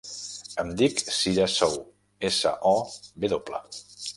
Em dic Cira Sow: essa, o, ve doble.